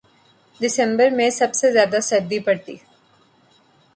دسمبر میں سب سے زیادہ سردی پڑتی